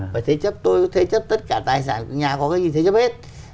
phải thế chấp tôi cũng thế chấp tất cả tài sản nhà có cái gì thế chấp hết